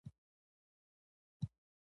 مثبتې پدیدې د فرهنګ وده ښيي